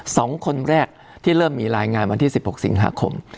สองคนแรกที่เริ่มมีรายงานวันที่สิบหกสิงหาคม